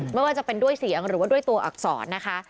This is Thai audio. ไม่ว่าจะเป็นด้วยเสียงหรือว่าด้วยตัวอักษรนะคะ